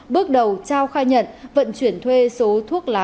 bước đầu trao khai nhận vận chuyển thuê số thuốc lá